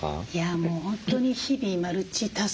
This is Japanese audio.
もう本当に日々マルチタスクで。